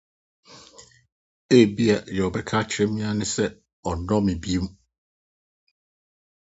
Ebia nea ɔbɛka ara ne sɛ ɔnnɔ me bio.